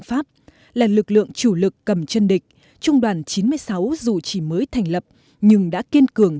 pháp là lực lượng chủ lực cầm chân địch trung đoàn chín mươi sáu dù chỉ mới thành lập nhưng đã kiên cường